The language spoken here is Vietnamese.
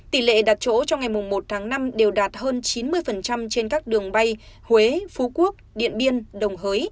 tỷ lệ đặt chỗ trong ngày một tháng năm đều đạt hơn chín mươi trên các đường bay huế phú quốc điện biên đồng hới